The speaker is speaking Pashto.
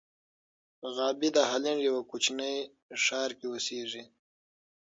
غابي د هالنډ یوه کوچني ښار کې اوسېږي.